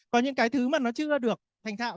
có những cái thứ mà nó chưa được thành thạo